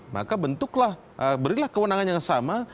maka bentuklah berilah kewenangan yang sama